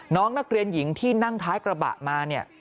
น้องนักเรียนหญิงที่นั่งท้ายกระบะมาเนี่ย